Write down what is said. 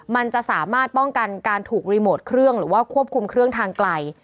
มันจะสามารถป้องกันการถูกรีโมทเครื่องหรือว่าควบคุมเครื่องทางไกล